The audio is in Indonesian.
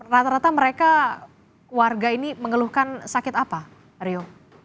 rata rata mereka warga ini mengeluhkan sakit apa rio